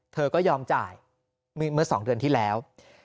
เธอก็ยอมจ่ายเมื่อ๒เดือนที่แล้ว